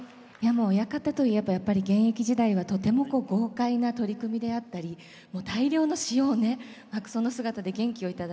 もう親方といえばやっぱり現役時代はとてもこう豪快な取組であったりもう大量の塩をねまくその姿で元気を頂いて。